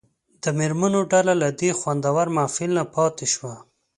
د مېرمنو ډله له دې خوندور محفل نه پاتې شوه.